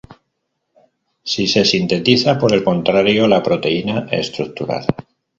Sí se sintetiza, por el contrario, la proteína estructural.